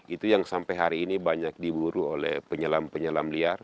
itu yang sampai hari ini banyak diburu oleh penyelam penyelam liar